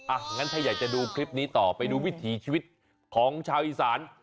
อย่างนั้นถ้าอยากจะดูคลิปนี้ต่อไปดูวิถีชีวิตของชาวอีสาน